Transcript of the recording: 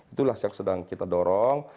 itulah yang sedang kita dorong